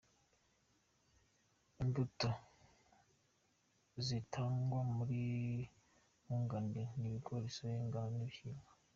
Imbuto zitangwa kuri Nkunganire ni ibigori, soya, ingano n’ibishyimbo.